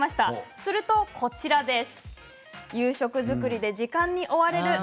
すると、こちらです。